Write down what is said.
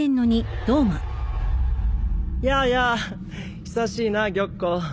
やあやあ久しいな玉壺。